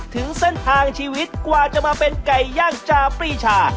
ถึงเส้นทางชีวิตกว่าจะมาเป็นไก่ย่างจาปรีชา